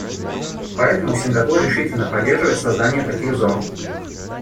Поэтому Сингапур решительно поддерживает создание таких зон.